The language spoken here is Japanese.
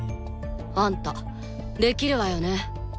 あんたできるわよね？